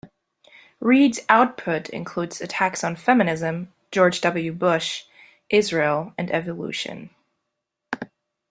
Reed's output includes attacks on feminism, George W. Bush, Israel and evolution.